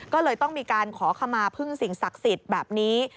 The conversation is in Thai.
ก็เลยต้องมีการขอขมาพึ่งสิ่งศักดิ์สิทธิ์แบบนี้